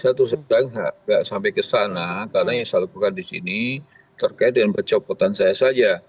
saya terus sedang gak sampai kesana karena yang saya lakukan di sini terkait dengan pencopotan saya saja